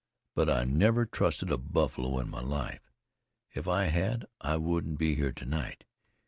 But I never trusted a buffalo in my life. If I had I wouldn't be here to night.